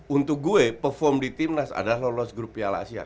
untuk gue perform di timnas adalah lolos grup piala asia